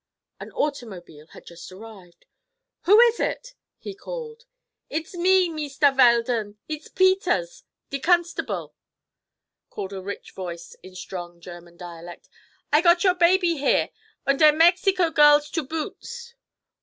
An automobile had just arrived. "Who is it?" he called. "Id's me, Meisteh Veldon—id's Peters, de constable," called a rich voice in strong German dialect. "I got your baby here, und der Mexico girls to boots!"